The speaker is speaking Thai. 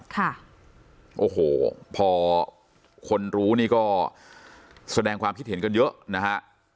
ค่ะโอ้โหพอคนรู้นี่ก็แสดงความคิดเห็นกันเยอะนะฮะ